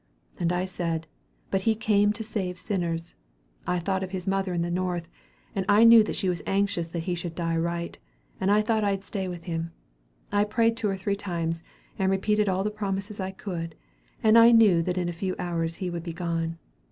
"And I said, 'But he came to save sinners.' I thought of his mother in the north, and I knew that she was anxious that he should die right, and I thought I'd stay with him. I prayed two or three times, and repeated all the promises I could, and I knew that in a few hours he would be gone.